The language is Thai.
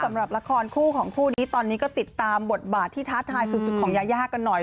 สำหรับละครคู่ของคู่นี้ตอนนี้ก็ติดตามบทบาทที่ท้าทายสุดของยายากันหน่อย